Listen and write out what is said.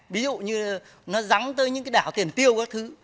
ví dụ như nó dắn tới những cái đảo tiền tiêu các thứ